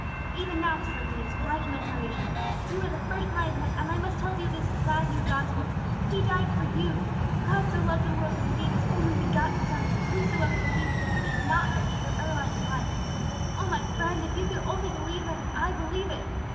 "Even now," exclaimed Phineas, "will I commence my mission. You are the first one I have met, and I must tell to you this glad new gospel. He died for you! 'God so loved the world, that He gave His only begotten Son, that whosoever believeth in Him should not perish, but have everlasting life!' O my friend, if you could only believe that as I believe it!"